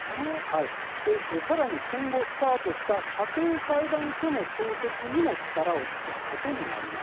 さらに、戦後スタートした家庭裁判所の創設にも力を尽くすことになります。